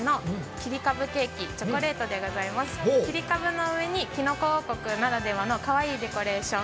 切り株の上にキノコ王国ならではのかわいいデコレーション。